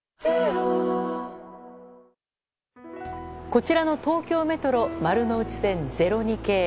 こちらの東京メトロ丸ノ内線０２系。